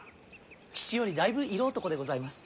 父よりだいぶ色男でございます。